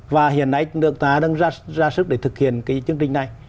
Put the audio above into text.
và hiện nay nước ta đang ra sức để thực hiện cái chương trình này